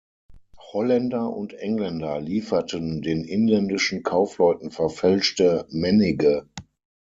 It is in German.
Holländer und Engländer lieferten den inländischen Kaufleuten verfälschte Mennige.